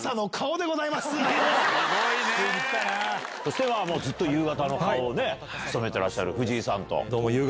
そしてずっと夕方の顔を務めてらっしゃる藤井さん。